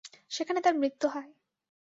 সেখানে তার মৃত্যু হয়।